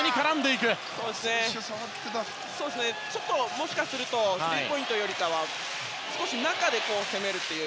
もしかするとスリーポイントより少し中で攻めるという。